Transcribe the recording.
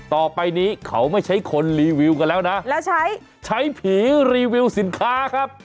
ต่อไปนี้เขาไม่ใช่คนรีวิวกันแล้วนะแล้วใช้ใช้ผีรีวิวสินค้าครับ